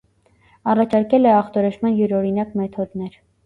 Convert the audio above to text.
Առաջարկել է ախտորոշման յուրօրինակ մեթոդներ։